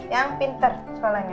yang pinter sekolahnya